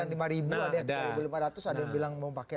yang lima ribu ada yang tiga ribu lima ratus ada yang bilang mau pakai